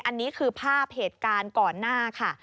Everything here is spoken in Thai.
อันนี้คือภาพเหตุการณ์ก่อนหน้าค่ะ